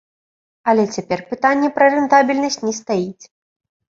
Але цяпер пытанне пра рэнтабельнасць не стаіць.